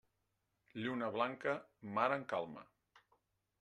Lluna blanca, mar en calma.